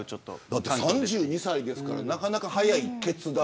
３２歳なのでなかなか早い決断。